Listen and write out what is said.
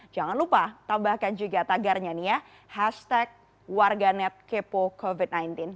jangan lupa tambahkan juga tagarnya nih ya hashtag warganetkepocovid sembilan belas